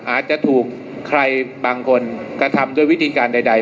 อาจจะถูกใครบางคนกระทำด้วยวิธีการใด